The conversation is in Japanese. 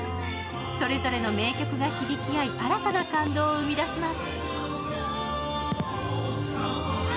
それぞれの名曲が響き合い新たな感動を生みだします。